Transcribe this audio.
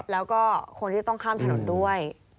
แล้วก็คนที่จะต้องข้ามถนนด้วย